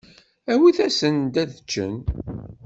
Awit-asent-d ad ččen.